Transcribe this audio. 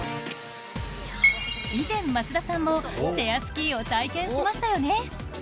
以前、松田さんもチェアスキーを体験しましたよね？